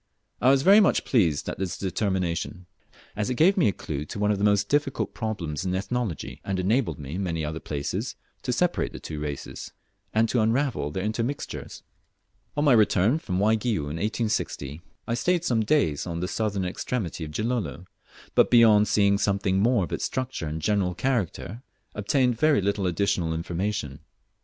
I was very much pleased at this determination, as it gave me a clue to one of the most difficult problems in Ethnology, and enabled me in many other places to separate the two races, and to unravel their intermixtures. On my return from Waigiou in 1860, I stayed some days on the southern extremity of Gilolo; but, beyond seeing something more of its structure and general character, obtained very little additional information.